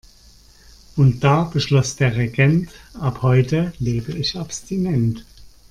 Und da beschloss der Regent: Ab heute lebe ich abstinent.